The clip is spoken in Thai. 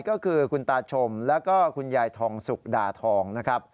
ก็คือคุณตาชมแล้วก็คุณยายทองสุกดาทองนะครับ